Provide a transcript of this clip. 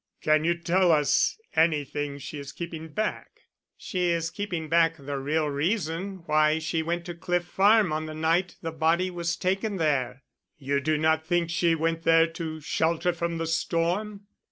"Can you tell us anything she is keeping back?" "She is keeping back the real reason why she went to Cliff Farm on the night the body was taken there." "You do not think she went there to shelter from the storm?"